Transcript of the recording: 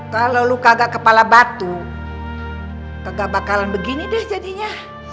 kalau luka agak kepala batu kagak bakalan begini deh jadinya